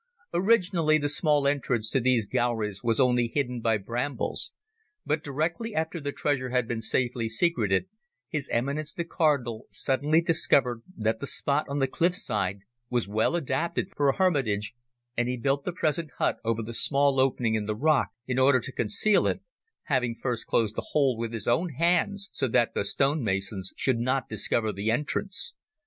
Originally, the small entrance to these galleries was only hidden by brambles, but, directly after the treasure had been safely secreted, His Eminence the Cardinal suddenly discovered that the spot on the cliff side was well adapted for a hermitage, and he built the present hut over the small opening in the rock in order to conceal it, having first closed the hole with his own hands so that the stone masons should not discover the entrance.